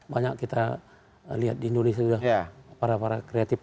banyak kita lihat di indonesia juga